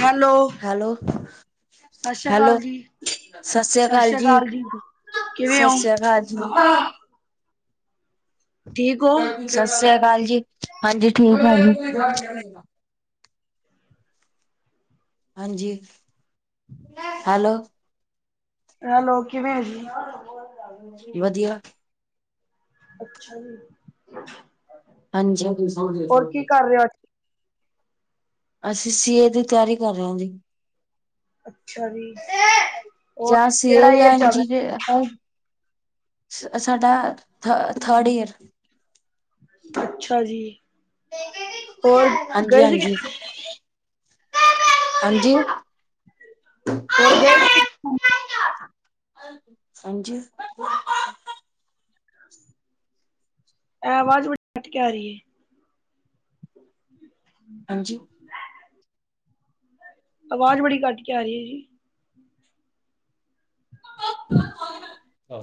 Hello hello ਸਤਿ ਸ੍ਰੀ hello ਅਕਾਲ ਜੀ ਸਤਿ ਸ੍ਰੀ ਅਕਾਲ। ਕਿਵੇਂ ਸਤਿ ਓ? ਸ੍ਰੀ ਅਕਾਲ ਜੀ ਸਤਿ ਹੋ? ਸਤਿ ਸ੍ਰੀ ਅਕਾਲ ਜੀ ਹਾਂਜੀ ਠੀਕ ਆ ਜੀ। ਹਾਂਜੀ ਹੈਲੋ। ਹੈਲੋ ਕਿਵੇਂ ਐ ਜੀ। ਵਧੀਆ। ਅੱਛਾ ਜੀ। ਹਾਂਜੀ-ਹਾਂਜੀ [unintelligible] [unintelligible] [unintelligible] ਅਸੀਂ ਸੀਏ ਦੀ ਤਿਆਰੀ ਕਰ ਰੇ ਆਂ ਜੀ। ਅੱਛਾ ਜੀ, ਹੋਰ ਜਾਂ ਸੀ ਏ ਕਿਹੜਾ ਜਾਂ ਈਅਰ ਚੱਲ ਰਿਹਾ? ਇੰਜੀਨੀਅਰ ਸਾਡਾ ਥ ਥਰਡ ਈਅਰ। ਅੱਛਾ ਜੀ ਹੋਰ ਹਾਂਜੀ ਗਏ ਸੀ ਕਿ ਹਾਂਜੀ ਹਾਂਜੀ। [unintelligible] [unintelligible] ਹਾਂਜੀ। ਐ ਵਾਜ਼ ਬੜੀ ਕਟ ਕੇ ਆ ਰੀ ਐ। ਹਾਂਜੀ। ਆਵਾਜ਼ ਬੜੀ ਕਟ ਕੇ ਆ ਰੀ ਐ ਜੀ। ਹਾਂ।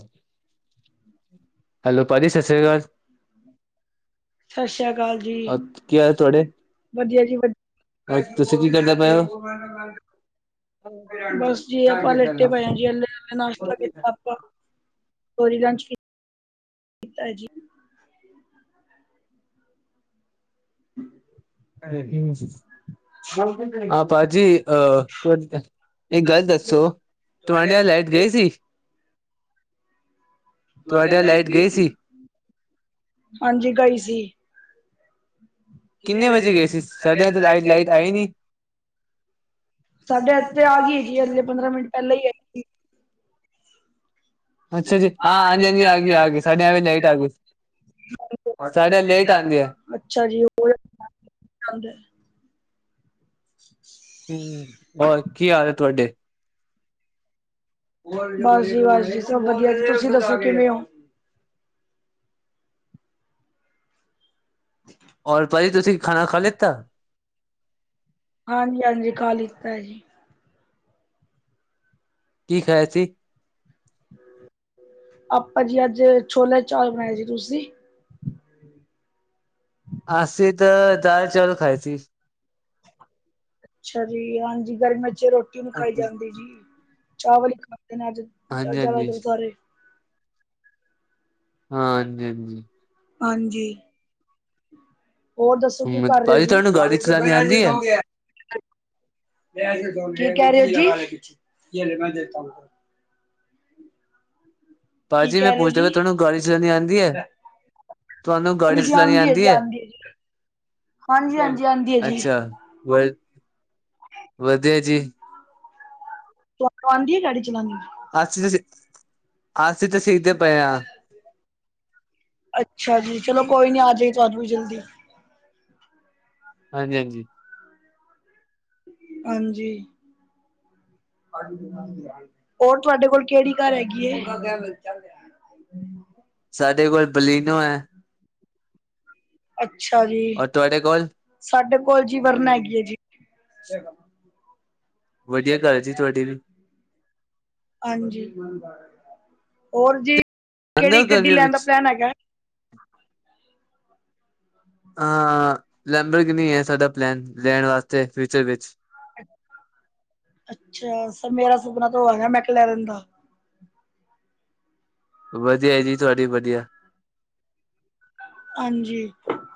ਹੈਲੋ ਭਾਜੀ ਸਤਿ ਸ਼੍ਰੀ ਅਕਾਲ। ਸਤਿ ਸ੍ਰੀ ਅਕਾਲ ਜੀ ਕੀ ਹਾਲ ਤੁਹਾਡੇ ਵਧੀਆ ਜੀ ਵ ਤੁਸੀਂ ਕੀ ਕਰਦੇ [inaudible] ਪਏ ਹੋ [unintelligible] ਬਸ ਜੀ ਆਪਾਂ ਲੇਟੇ ਪਏ ਆ ਜੀ [unintelligible] ਨਾਸ਼ਤਾ ਕੀਤਾ ਆਪਾਂ। [unintelligible] ਕੀਤਾ ਜੀ। [unintelligible] [unintelligible] ਆ ਭਾਜੀ ਅਹ [unintelligible] ਇੱਕ ਗੱਲ ਦੱਸੋ? ਤੁਹਾਡਿਆਂ ਲਾਈਟ ਗਈ ਸੀ ਤੁਹਾਡਿਆਂ ਲਾਈਟ ਗਈ ਸੀ? ਹਾਂਜੀ ਗਈ ਸੀ। ਕਿੰਨੇ ਵਜੇ ਗਏ ਸੀ ਸਾਡਿਆਂ ਤੇ ਲਾਈ-ਲਾਈਟ ਆਈ ਨੀ। ਸਾਡੇ ਐਥੇ ਆ ਗਈਏ ਜੀ ਅਗਲੇ ਪੰਦਰਾਂ ਮਿੰਟ ਪਹਿਲਾਂ ਈ ਆਈ। ਸੀ। ਅੱਛਾ ਜੀ ਹਾਂ ਹਾਂਜੀ-ਹਾਂਜੀ ਆ ਗੀ ਆ ਗੀ ਸਾਢੇ ਆ ਲਾਈਟ ਆਗੀ। ਸਾਡੇ ਲੇਟ ਆਂਦੀ ਐ। ਅੱਛਾ ਜੀ [unintelligible] ਹੂੰ ਹੋਰ ਕੀ ਹਾਲ ਐ ਤੁਹਾਡੇ? ਬਸ ਜੀ ਬਸ ਜੀ ਸਭ ਵਧੀਆ ਤੁਸੀਂ ਦੱਸੋ ਕਿਵੇਂ ਓ? ਹੋਰ ਭਾਜੀ ਤੁਸੀਂ ਖਾਣਾ ਖਾ ਲੀਤਾ? ਹਾਂਜੀ-ਹਾਂਜੀ ਖਾ ਲੀਤਾ ਏ ਜੀ। ਕੀ ਖਾਇਆ ਸੀ? ਆਪਾ ਜੀ ਅੱਜ ਛੋਲੇ ਚਾਵਲ ਬਣਾਏ ਸੀ ਤੁਸੀ। ਅਸੀਂ ਤਾਂ ਦਾਲ ਚੋਲ ਖਏ ਸੀ। ਅੱਛਾ ਜੀ ਹਾਂਜੀ ਗਰਮ ਚ ਰੋਟੀ ਵੀ ਖਾਈ ਹਾਂਜੀ ਜਾਂਦੀ ਜੀ ਚਾਵਲ ਹੀ ਖਾਂਦੇ ਨੇ ਅੱਜ। ਹਾਂਜੀ ਹਾਂਜੀ ਜ਼ਿਆਦਾਤਰ ਸਾਰੇ। ਹਾਂ ਹਾਂਜੀ-ਹਾਂਜੀ। ਹਾਂਜੀ ਹੋਰ ਦੱਸੋ ਕੀ ਕਰ ਰਹੇ ਹੋ ਭਾਜੀ ਜੀ। ਤੁਹਾਨੂੰ ਗਾੜੀ ਚਲਾਉਣੀ ਆਉਂਦੀ ਹੈ ਕੀ ਕਹਿ ਰਹੇ ਹੋ ਜੀ। ਭਾਜੀ ਮੈਂ ਰਹੇ ਹੋ ਪੁੱਛਦਾ ਪਾਇਆ ਜੀ? ਤੁਹਾਨੂੰ ਗਾਡੀ ਚਲਾਨੀ ਆਦੀ ਹੈ। ਤੁਹਾਨੂੰ ਗਾੜੀ ਹਾਂਜੀ ਚਲਾਣੀ ਆਦੀ ਹੈ। ਹਾਂਜੀ-ਹਾਂਜੀ ਆਦੀ ਹੈ ਜੀ। ਅੱਛਾ ਵਧੀਆ ਜੀ। ਤੁਹਾਨੂੰ ਆਂਦੀ ਏ ਗਾਡੀ ਚਲਾਨੀ। ਅਸੀ ਤੇ ਅਸੀ ਤੇ ਸਿੱਖਦੇ ਪਏ ਹਾ। ਅੱਛਾ ਜੀ ਚਲੋ ਕੋਈ ਨੀ ਆ ਜਾਏ ਤੁਹਾਨੂੰ ਵੀ ਜਲਦੀ। ਹਾਂਜੀ-ਹਾਂਜੀ। ਹਾਂਜੀ। ਹੋਰ ਤੁਹਾਡੇ ਕੋਲ ਕਿਹੜੀ ਕਾਰ ਹੈਗੀ ਹੈ। ਸਾਡੇ ਕੋਲ ਬਲੀਨੋ ਹੈ। ਅੱਛਾ ਜੀ ਔਰ ਤੁਹਾਡੇ ਕੋਲ ਸਾਡੇ ਕੋਲ ਜੀ ਵਰਨਾ ਹੈਗੀ ਹੈ ਜੀ। ਵਧੀਆ ਕਾਰ ਜੀ ਤੁਹਾਡੀ ਵੀ। ਹਾਂਜੀ ਹੋਰ ਜੀ ਜਾਂਦੇ ਕਿਹੜੀ ਹੋ ਗੱਡੀ ਗਰਮੀਆਂ ਲੈਣ ਵਿੱਚ ਦਾ ਪਲੈਨ ਹੈਗਾ। [inaudible] ਹਾਂ ਲੈਬਰਗੀਨੀ ਹੈ ਸਾਡਾ ਪਲੈਨ ਲੈਣ ਵਾਸਤੇ ਫਿਊਚਰ ਵਿੱਚ। ਅੱਛਾ ਸਰ ਮੇਰਾ ਸੁਪਨਾ ਤਾਂ ਉਹ ਹੈਗਾ ਮੈਂਕਲੈਨਰ ਦਾ। ਵਧੀਆ ਜੀ ਤੁਹਾਡੀ ਵਧੀਆ। ਹਾਂਜੀ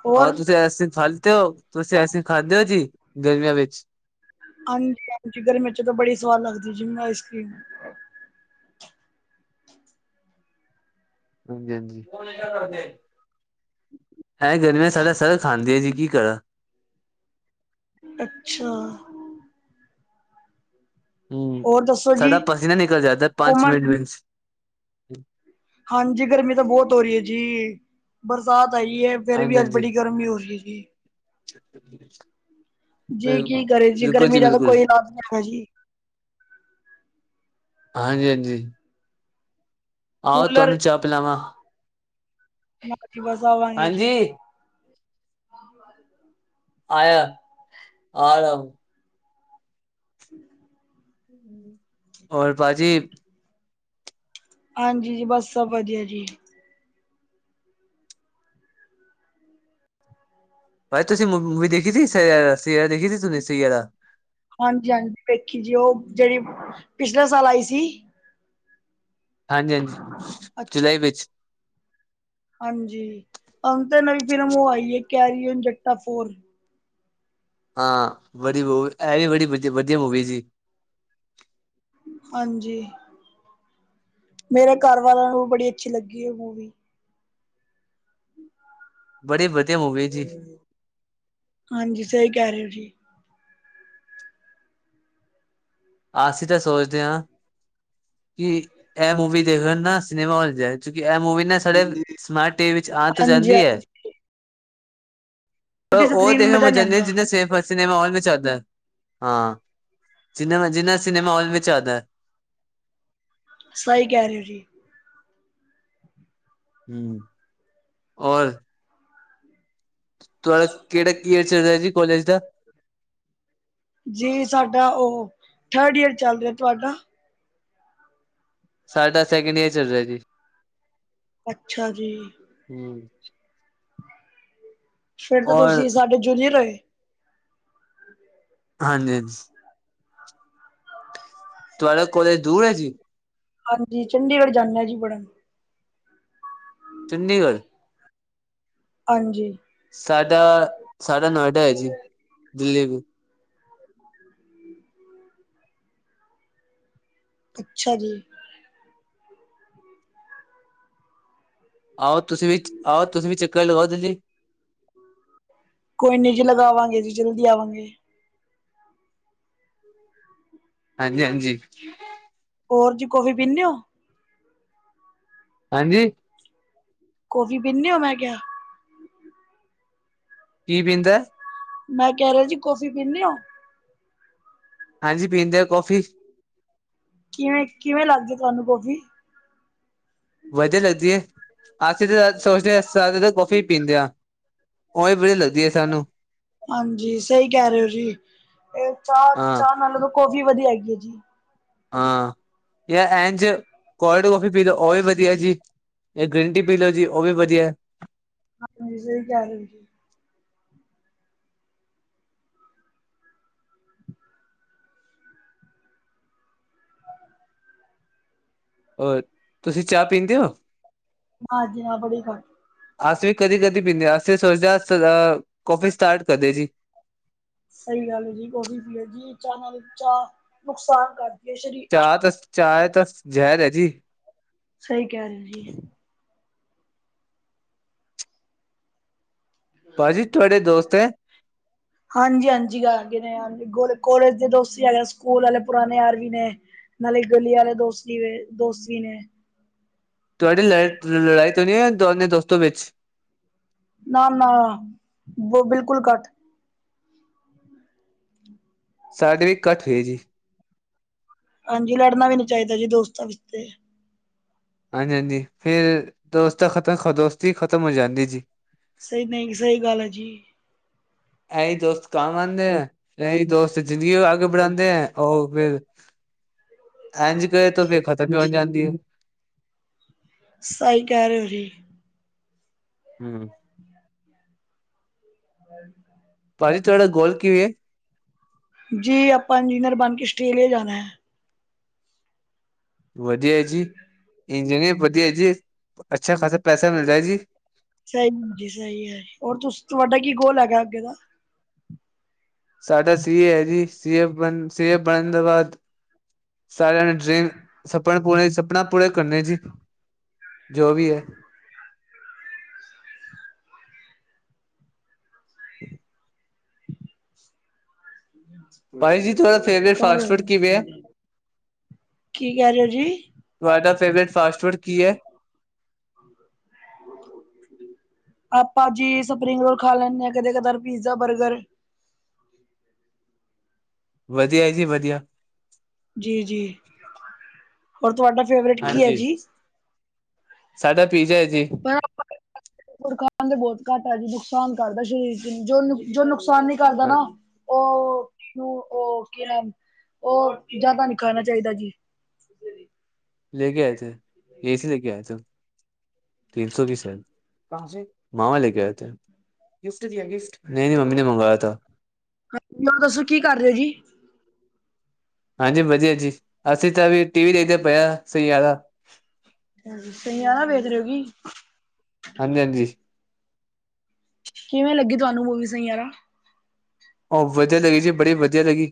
ਹੋਰ ਹਾਂ ਤੁਸੀ ਐਸ ਫਲ ਤੇ ਹੋ। ਤੁਸੀਂ ਆਈਸਕ੍ਰੀਮ ਖਾਦੇ ਹੋ ਜੀ ਗਰਮੀਆਂ ਵਿੱਚ। ਹਾਂਜੀ-ਹਾਂਜੀ ਗਰਮੀ ਚ ਤਾਂ ਬੜੀ ਸਵਾਦ ਲੱਗਦੀ ਜੀ ਆਈਸਕ੍ਰੀਮ। ਹਾਂਜੀ-ਹਾਂਜੀ। ਹੈਂ ਗਰਮੀਆਂ ਸਾਡਾ ਸਰ ਖਾਂਦੀ ਆ ਜੀ ਕੀ ਕਰਾ। ਅੱਛਾ। ਹਮ ਹੋਰ ਦੱਸੋ ਜੀ ਸਾਡਾ ਪਸੀਨਾ ਨਿਕਲ ਜਾਦਾ ਪੰਚ ਘੁੰਮਣ ਮਿੰਟ ਵਿੱਚ। ਹਾਂਜੀ ਗਰਮੀ ਤਾਂ ਬਹੁਤ ਹੋ ਰਹੀ ਹੈ ਜੀ ਬਰਸਾਤ ਆਈ ਹੈ। ਫੇਰ ਵੀ ਅੱਜ ਬੜੀ ਗਰਮੀ ਹੋ ਰਹੀ ਜੀ। ਛੱ ਜੀ ਕੀ ਕਰੇ ਜੀ ਗਰਮੀ ਦਾ ਤੇ ਬਿਲਕੁਲ, ਕੋਈ ਇਲਾਜ ਨੀ ਹੈਗਾ ਜੀ। ਹਾਂਜੀ-ਹਾਂਜੀ। ਆਹੋ ਕੂਲਰ ਤੁਹਾਨੂੰ ਚਾ ਪਿਲਾਵਾ। ਨਾ ਜੀ ਬਸ ਆਵਾਂਗੇ ਜੀ। [inaudible] ਆਇਆ, ਆ ਰਹਾ ਹੂੰ। ਹੋਰ ਭਾਜੀ ਹਾਂਜੀ ਜੀ ਬਸ ਸਭ ਵਧੀਆ ਜੀ। ਭਾਈ ਤੁਸੀਂ ਮੂਵੀ ਦੇਖੀ ਸੀ ਸ ਸ ਦੇਖੀ ਸੀ ਤੁਸੀਂ ਸੀਏਰਾ। ਹਾਂਜੀ-ਹਾਂਜੀ ਵੇਖੀ ਜੀ ਉਹ ਜਿਹੜੀ ਪਿਛਲੇ ਸਾਲ ਆਈ ਸੀ। ਹਾਂਜੀ-ਹਾਂਜੀ ਜੁਲਾਈ ਅੱਛਾ ਵਿੱਚ ਹਾਂਜੀ ਅੰਤ ਨਵੀ ਫਿਲਮ ਉਹ ਆਈ ਹੈ ਕੈਰੀ ਓਨ ਜਟਾ ਫੋਰ ਹਾਂ ਬੜੀ ਮੂਵ ਇਹ ਵੀ ਬੜੀ ਵ ਵਧੀਆ ਮੂਵੀ ਜੀ ਹਾਂਜੀ। ਮੇਰੇ ਘਰਵਾਲਿਆਂ ਨੂੰ ਵੀ ਬੜੀ ਅੱਛੀ ਲੱਗੀ ਉਹ ਮੂਵੀ ਬੜੇ ਵਧੀਆ ਮੂਵੀ ਜੀ। ਹਾਂਜੀ ਸਹੀ ਕਹਿ ਰਹੇ ਹੋ ਜੀ। ਅਸੀਂ ਤਾਂ ਸੋਚਦੇ ਹਾਂ ਕਿ ਇਹ ਮੂਵੀ ਦੇਖਣ ਨਾ ਸਿਨੇਮਾ ਹਲ ਜਾਏ ਕਿਉਂਕਿ ਇਹ ਮੂਵੀ ਨਾ ਸਾਡੇ ਸਮਾਰਟ ਟੀ ਵੀ ਵਿੱਚ ਤੋਂ ਹਾਂਜੀ ਜਾਂਦੀ ਹੈ। ਹਾਂਜੀ ਛੋਟੀ ਪਰ ਉਹ ਸਕਰੀਨ ਦੇਖਣ ਮਜ਼ਾ ਮਜਾ ਨਹੀਂ ਆਂਦਾ। ਜਿਨ੍ਹਾਂ ਸੇਫ ਸਿਨੇਮਾ ਹਾਲ ਚ ਆਉਂਦੀ ਹਾਂ ਜਿੰਨਾ ਮ ਜਿੰਨਾ ਸਿਨੇਮਾ ਹੋਲ ਚ ਆਉਂਦਾ। ਸਹੀ ਕਹਿ ਰਹੇ ਹੋ ਜੀ। ਹਮ ਔਰ ਤੁਹਾਡਾ ਕਿਹੜਾ ਈਅਰ ਚੱਲ ਰਿਹਾ ਕਾਲਜ ਦਾ। ਜੀ ਸਾਡਾ ਉਹ ਥਰਡ ਈਅਰ ਚੱਲ ਰਿਹਾ ਤੁਹਾਡਾ? ਸਾਢੇ ਅਸ ਸੈਕਿੰਡ ਇਅਰ ਚੱਲ ਰਿਹਾ ਜੀ। ਅੱਛਾ ਜੀ ਹਮ। ਫੇਰ ਤਾਂ ਤੁਸੀਂ ਔਰ ਸਾਡੇ ਜੂਨੀਅਰ ਹੋਏ। ਹਾਂਜੀ, ਹਾਂਜੀ ਤੁਹਾਡਾ ਕੋਲਜ ਦੂਰ ਹੈ ਜੀ ਹਾਂਜੀ ਚੰਡੀਗੜ੍ਹ ਜਾਂਦੇ ਜੀ ਪੜਨ ਚੰਡੀਗੜ੍ਹ ਹਾਂਜੀ ਸਾਡਾ ਸਾਡਾ ਨੋਇਡਾ ਹੈ ਜੀ ਦਿੱਲੀ ਹਮ [inaudible] ਅੱਛਾ ਜੀ। ਆਓ ਤੁਸੀਂ ਵੀ ਆਓ ਤੁਸੀਂ ਵੀ ਚੱਕਰ ਲਗਾਓ ਦਿੱਲੀ ਜੀ। ਕੋਈ ਨਿੱ ਜੀ ਲਗਾਵਾਂਗੇ ਜੀ ਜਲਦੀ ਆਵਾਂਗੇ। ਹਾਂਜੀ, ਹਾਂਜੀ ਹੋਰ ਜੀ ਕੋਫੀ ਪੀਨਦੇ ਹੋ। ਹਾਂਜੀ ਕੋਫੀ ਪੀਣੇ ਹੋ ਮੈਂ ਕਿਹਾ। ਕੀ ਪਿੰਦਾ ਮੈਂ ਕਹਿ ਰਿਹਾ ਜੀ ਕੌਫੀ ਪੀਂਦੇ ਹੋ। ਹਾਂਜੀ ਪੀਂਦੇ ਆ ਕੌਫੀ ਕਿਵੇਂ, ਕਿਵੇਂ ਲੱਗਦੀ ਤੁਹਾਨੂੰ ਕੌਫੀ ਵਧੀਆ ਲੱਗਦੀ ਏ ਅਸੀਂ ਤਾਂ ਸੋਚਦੇ ਹ ਸ ਤਾਂ ਕੌਫੀ ਪੀਂਦੇ ਹਾਂ। ਓ ਵੀ ਵਧੀਆ ਲੱਗਦੀ ਹੈ ਸਾਨੂੰ। ਹਾਂਜੀ ਸਹੀ ਕਹਿ ਰਹੇ ਹੋ ਜੀ, ਇਹ ਚਾਹ, ਹਾਂ ਚਾਹ ਕਾਫੀ ਵਧੀਆ ਹੈਗੀ ਹੈ ਜੀ। ਹਾਂ ਜਾਂ ਐਨ ਚ ਕੋਲਡ ਕੌਫੀ ਪੀ ਲਓ ਉਹ ਵੀ ਵਧੀਆ ਜੀ ਇਹ ਗ੍ਰੀਨ ਟੀ ਪੀ ਲਓ ਜੀ ਉਹ ਵੀ ਵਧੀਆ। ਹੋਈ ਗਈ ਗਿਆਰਵੀ [unintelligible] ਹੋਰ ਤੁਸੀਂ ਚਾਹ ਪੀਂਦੇ ਹੋ। ਨਾ ਜੀ ਨਾ ਬੜੀ ਘੱਟ। ਅਸੀ ਵੀ ਕਦੀ ਕਦੀ ਪੀਂਦੇ ਅਸੀਂ ਸੋਚਦੇ ਹ ਕਫੀ ਸਟਾਰਟ ਕਰਦੇ ਜੀ। ਸਹੀ ਗੱਲ ਹੈ ਜੀ ਕੋਫੀ ਪਿਓ ਚਾਹ ਨਾਲ ਚਾਹ ਨੁਕਸਾਨ ਕਰ ਚਾਹ ਤ ਚਾਹ ਤਾਂ ਜ਼ਹਿਰ ਹੈ ਜੀ। ਸਹੀ ਕਹਿ ਰਹੇ ਹੋ ਜੀ। ਭਾਜੀ ਤੁਹਾਡੇ ਦੋਸਤ ਹੈ। [inaudible] ਹਾਂਜੀ- ਹਾਂਜੀ ਹੈਗੇ ਨੇ ਕੋਲੇਜ ਦੇ ਦੋਸਤ ਹੈਗੇ ਸਕੂਲ ਵਾਲੇ ਪੁਰਾਣੇ ਯਾਰ ਵੀ ਨੇ ਨਾਲੇ ਗਲੀ ਵਾਲੇ ਦੋਸਤੀ- ਦੋਸਤੀ ਨੇ ਤੁਹਾਡੀ ਲੜ ਲੜਾਈ ਤੋਂ ਨ ਦੋਨੇ ਦੋਸਤਾਂ ਵਿੱਚ ਨਾ, ਨਾ ਬ ਬਿਲਕੁਲ ਘੱਟ ਸਾਡੀ ਵੀ ਕੱਟ ਰਹੀ ਜੀ। ਹਾਂਜੀ ਲੜਨਾ ਵੀ ਨੀ ਚਾਹੀਦਾ ਜੀ ਦੋਸਤਾਂ ਵਿੱਚ ਤੇ ਹਾਂਜੀ- ਹਾਂਜੀ ਫੇਰ ਦੋਸਤਾ ਖਤਹ ਦੋਸਤੀ ਹੀ ਖ਼ਤਮ ਹੋ ਜਾਂਦੀ ਏ ਜੀ। ਸਹੀ ਨਹੀਂ ਸਹੀ ਗੱਲ ਹੈ ਜੀ। ਐਹੀ ਦੋਸਤ ਕੰਮ ਆਂਦੇ ਐ ਐਹੀ ਦੋਸਤ ਜ਼ਿੰਦਗੀ ਆਗੇ ਬੜਾਂਦੇ ਐ ਔ ਫਿਰ ਐੰਜ ਕਹੇ ਤਾਂ ਫੇ ਖਤਮ ਹੀ ਹੋ ਜਾਂਦੀ ਏ। ਸਹੀ ਕਹਿ ਰਹੇ ਓ ਜੀ। ਹੂੰ [inaudible] ਭਾਜੀ ਤੁਹਾਡਾ ਗੋਲ ਕਿਵੇਂ ਏ। ਜੀ ਆਪਾਂ ਇੰਜੀਨੀਅਰ ਬਣ ਕੇ ਆਸਟ੍ਰੇਲੀਆ ਜਾਣੈ। ਵਧੀਆ ਹੈ ਜੀ ਇੰਜਨਵੀ ਵਧੀਆ ਐ ਜੀ ਅੱਛਾ ਖਾਸਾ ਪੈਸਾ ਮਿਲਦਾ ਹੈ ਜੀ। ਸਹੀ ਹੂੰ ਜੀ ਸਹੀ ਹੈ ਹੋਰ ਤੁਸ ਤੁਵਾਡਾ ਕੀ ਗੋਲ ਹੈਗੈ ਅੱਗੇ ਦਾ ਸਾਡਾ ਸੀਏ ਹੈ ਜੀ ਸੀਏ ਬਣ ਸੀਏ ਬਣਨ ਦੇ ਬਾਦ ਸਾਰਿਆਂ ਨੇ ਡਰੀਮ ਸਪਨਾ ਪੂਰੇ ਸਪਨਾ ਪੂਰੇ ਕਰਨੇ ਜੀ। ਜੋ ਵੀ ਹੈ [unintelligible] [inaudible] [inaudible] ਭਾਈ ਜੀ ਤੁਵਾਡਿ ਫੇਵਰੇਟ ਫਾਸਟ ਫੂਡ ਕੀ ਵੇ ਐ। ਕੀ ਕਹਿ ਰੇ ਓ ਜੀ। ਤੁਹਾਡਾ ਫੇਵਰੇਟ ਫਾਸਟ ਫੂਡ ਕੀ ਹੈ [inaudible] ਆਪਾਂ ਜੀ ਸਪਰਿੰਗ ਰੋਲ ਖਾ ਲੈਂਣੇ ਆਂ ਕਦੇ ਕਦਾਰ ਪੀਜ਼ਾ, ਬਰਗਰ ਵਧੀਆ ਜੀ ਵਧੀਆ। ਜੀ -ਜੀ ਹੋਰ ਤੁਹਾਡਾ ਫੇਵਰੇਟ ਕੀ ਹੈ ਹਾਂਜੀ ਜੀ। ਸਾਡਾ ਪੀਜ਼ਾ ਹੈ ਜੀ [unintelligible] ਬੋਤ ਘੱਟ ਹੈ ਜੀ ਨੁਕਸਾਨ ਕਰਦਾ ਸੀ। ਜੋ ਨੁ ਜੋ ਨੁਕਸਾਨ ਨੀ ਕਰਦਾ ਹਾਂ ਨਾ ਓਹ ਕਿਉ ਓ ਕੀ ਨਾਮ ਓਹ ਜੈਦਾ ਨੀ ਖਾਣਾ ਚਾਹੀਦਾ ਜੀ। ਲੇ ਕੇ ਆਏ ਥੇ ਯਹੀ ਸੇ ਲੇ ਕੇ ਆਏ ਥੇ [unintelligible] ਮਾਮਾ ਲੈ ਕੇ ਆਏ ਥੇ ਗਿਫਟ ਦਿਆ ਗਿਫਟ ਨਹੀਂ- ਨਹੀਂ ਮੰਮੀ ਨੇ ਮੰਗਵਾਯਾ ਥਾ। ਮੈਨੂੰ ਦਸੋ ਕੀ ਕਰ ਰਹੇ ਹੋ ਜੀ। ਹਾਂਜੀ ਵਧੀਆ ਜੀ ਅਸੀਂ ਤਾਂ ਵੀ ਟੀ ਵੀ ਦੇਖਦੇ ਪਏ ਆ ਸਹੀਆਰਾ ਸਹੀਆਰਾ ਵੇਖ ਰੇ ਹੋ ਕਿ ਹਾਂਜੀ- ਹਾਂਜੀ ਕਿਵੇਂ ਲੱਗੀ ਤੁਹਾਨੂੰ ਮੂਵੀ ਸਹੀਯਾਰਾ ਓਹ ਵਧੀਆ ਹੈਗੀ ਜੀ ਬੜੀ ਵਧੀਆ ਲੱਗੀ।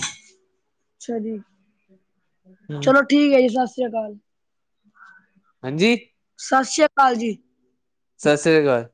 ਅੱਛਾ ਜੀ ਚਲੋ ਠੀਕ ਹੈ ਜੀ ਸਾ ਸ੍ਰੀ ਅਕਾਲ। ਹਾਂਜੀ ਸਤ ਸ੍ਰੀ ਕਾਲ ਜੀ। ਸਤ ਸ਼੍ਰੀ ਅਕਾਲ।